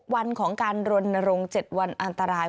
๖วันของการโดนโรงเจ็ดวันอันตราย